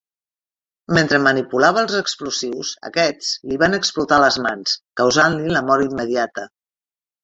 Mentre manipulava els explosius, aquests li van explotar a les mans, causant-li la mort immediata.